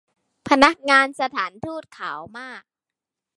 พนักงานสถานฑูต ขาวมาก